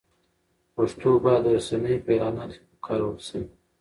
پښتو باید د رسنیو په اعلاناتو کې وکارول شي.